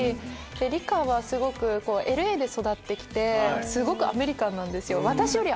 リカはＬ．Ａ．で育って来てすごくアメリカンなんですよ。